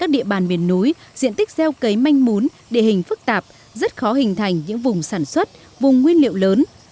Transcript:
địa bàn miền núi diện tích gieo cấy manh mún địa hình phức tạp rất khó hình thành những vùng sản xuất vùng nguyên liệu lớn